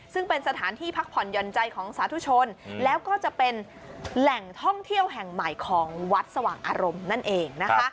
ซึ่งเป็นสถานที่พักผ่อนหย่อนใจของสาธุชนแล้วก็จะเป็นแหล่งท่องเที่ยวแห่งใหม่ของวัดสว่างอารมณ์นั่นเองนะคะ